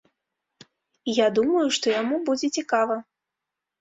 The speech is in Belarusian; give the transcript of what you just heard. І я думаю, што яму будзе цікава.